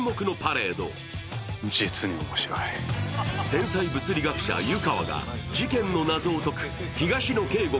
天才物理学者・湯川が事件の謎を解く東野圭吾